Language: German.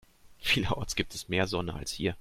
Vielerorts gibt es mehr Sonne als hier.